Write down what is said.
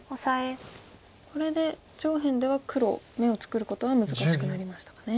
これで上辺では黒眼を作ることは難しくなりましたかね。